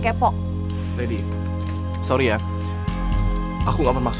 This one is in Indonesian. dibawa di badan kamu